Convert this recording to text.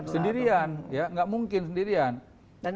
sendirian ya nggak mungkin sendirian